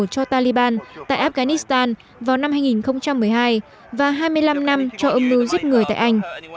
cho taliban tại afghanistan vào năm hai nghìn một mươi hai và hai mươi năm năm cho âm mưu giết người tại anh